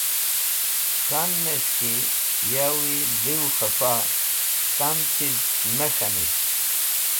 K̃hanẽs̃h ki yawi lewkhẽfa tam chiz me k̃hanit